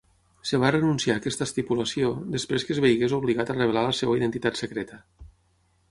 Es va renunciar a aquesta estipulació després que es veiés obligat a revelar la seva identitat secreta.